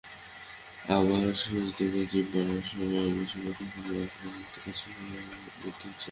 আবার সৈকতে ডিম পাড়ার সময়ও বেওয়ারিশ কুকুরের আক্রমণে কচ্ছপের মৃত্যু হচ্ছে।